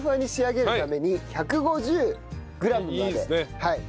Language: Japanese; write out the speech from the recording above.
はい。